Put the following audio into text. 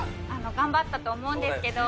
頑張ったと思うんですけど